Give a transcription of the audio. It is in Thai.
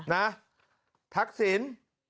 นะทักศิลป์